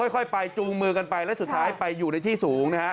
ค่อยไปจูงมือกันไปแล้วสุดท้ายไปอยู่ในที่สูงนะฮะ